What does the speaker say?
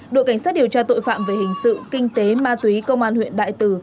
đội cảnh sát điều tra tội phạm về hình sự kinh tế ma túy công an huyện đại từ